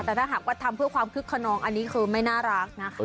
แต่ถ้าหากว่าทำเพื่อความคึกขนองอันนี้คือไม่น่ารักนะคะ